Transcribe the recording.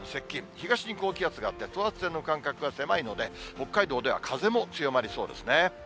東に高気圧があって、等圧線の間隔が狭いので、北海道では風も強まりそうですね。